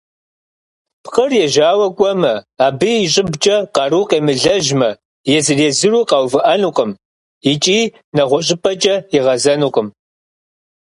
Пкъыр ежьауэ кӏуэмэ, абы и щӏыбкӏэ къару къемылэжьмэ, езыр-езыру къэувыӏэнукъым икӏи нэгъуэщӏыпӏэкӏэ игъэзэнукъым.